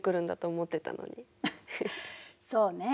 そうね。